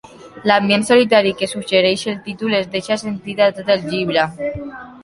L'ambient solitari que suggereix el títol es deixa sentir a tot el llibre.